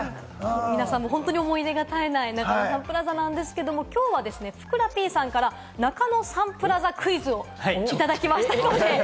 皆さん、本当に思い出が絶えない中野サンプラザなんですが、ふくらＰさんから中野サンプラザクイズをいただきました。